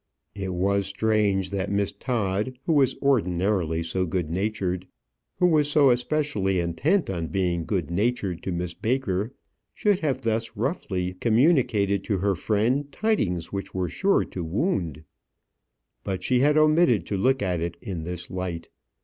It was strange that Miss Todd, who was ordinarily so good natured, who was so especially intent on being good natured to Miss Baker, should have thus roughly communicated to her friend tidings which were sure to wound. But she had omitted to look at it in this light.